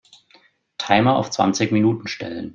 Timer auf zwanzig Minuten stellen.